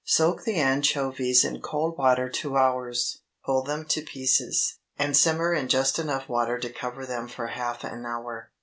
Soak the anchovies in cold water two hours; pull them to pieces, and simmer in just enough water to cover them for half an hour.